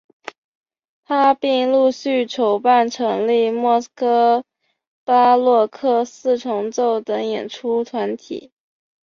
他并陆续筹办成立莫斯科巴洛克四重奏等演出团体。